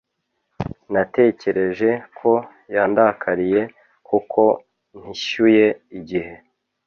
natekereje ko yandakariye kuko ntishyuye igihe